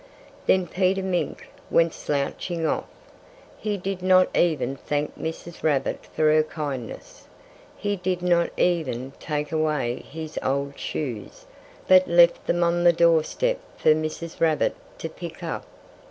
Then Peter Mink went slouching off. He did not even thank Mrs. Rabbit for her kindness. He did not even take away his old shoes, but left them on the doorstep for Mrs. Rabbit to pick up.